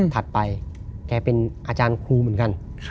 ถัดไปแกเป็นอาจารย์ครูเหมือนกัน